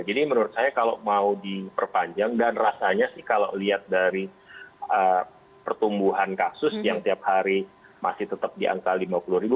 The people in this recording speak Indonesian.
jadi menurut saya kalau mau diperpanjang dan rasanya sih kalau lihat dari pertumbuhan kasus yang tiap hari masih tetap di angka lima puluh ribu